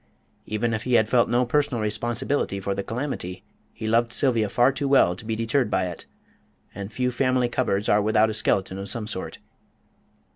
Even if he had felt no personal responsibility for the calamity, he loved Sylvia far too well to be deterred by it, and few family cupboards are without a skeleton of some sort.